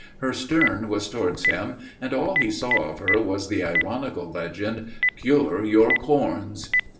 Her stern was towards him, and all he saw of her was the ironical legend, "Cure your Corns."